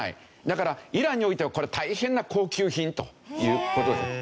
だからイランにおいてはこれ大変な高級品という事ですね。